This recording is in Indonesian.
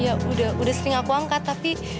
ya udah sering aku angkat tapi